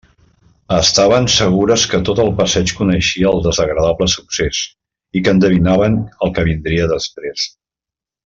Estaven segures que tot el passeig coneixia el desagradable succés, i que endevinaven el que vindria després.